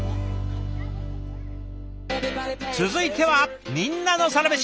続いては「みんなのサラメシ」！